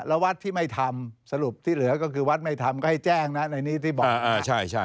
แล้ววัดที่ไม่ทำสรุปที่เหลือก็คือวัดไม่ทำก็ให้แจ้งนะในนี้ที่บอก